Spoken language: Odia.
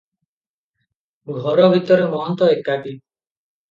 ଘର ଭିତରେ ମହନ୍ତ ଏକାକୀ ।